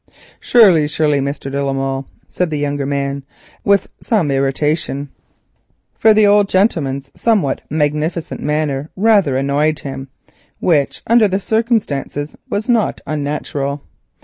"Surely, surely, Mr. de la Molle," said the younger man with some irritation, for the old gentleman's somewhat magnificent manner rather annoyed him, which under the circumstances was not unnatural.